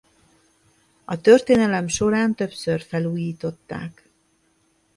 A történelem során többször felújították.